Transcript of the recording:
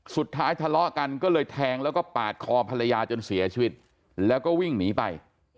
ทะเลาะกันก็เลยแทงแล้วก็ปาดคอภรรยาจนเสียชีวิตแล้วก็วิ่งหนีไป